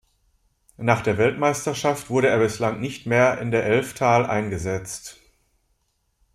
Nach der Weltmeisterschaft wurde er bislang nicht mehr in der "Elftal" eingesetzt.